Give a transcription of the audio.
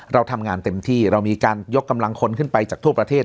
เราทำงานเต็มที่เรามีการยกกำลังคนขึ้นไปจากทั่วประเทศ